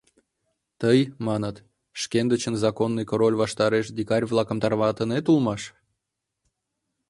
Тый, маныт, шкендычын законный король ваштареш дикарь-влакым тарватынет улмаш?